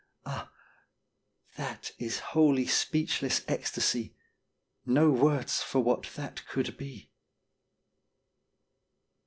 Ah! that is wholly speechless ecstasy, No words for that could be!